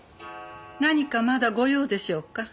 何かまだご用でしょうか？